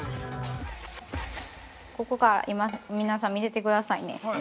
◆ここから、今、皆さん、見ててくださいね。